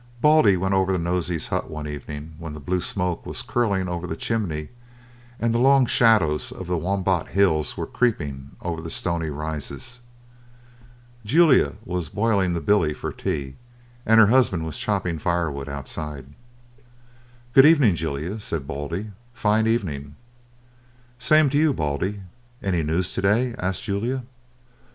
Baldy went over to Nosey's hut one evening when the blue smoke was curling over the chimney, and the long shadows of the Wombat Hills were creeping over the Stoney Rises. Julia was boiling the billy for tea, and her husband was chopping firewood outside. "Good evening, Julia," said Baldy; "fine evening." "Same to you, Baldy. Any news to day?" asked Julia.